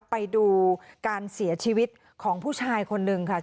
ไปดูการเสียชีวิตของผู้ชายคนนึงค่ะ